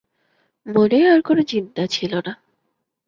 মনে আর কোনো চিন্তা ছিল না।